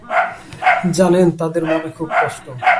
জানেন, তাদের মনে খুব কষ্ট।